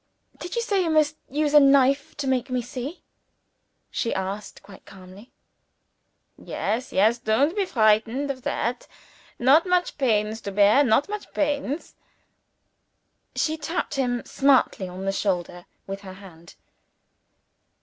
"Did you say you must use a knife to make me see?" she asked quite calmly. "Yes, yes. Don't you be frightened of that. Not much pains to bear not much pains." She tapped him smartly on the shoulder with her hand.